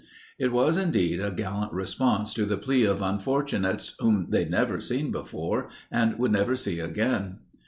It was indeed a gallant response to the plea of unfortunates whom they'd never seen before and would never see again.